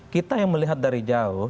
kita yang melihat dari jauh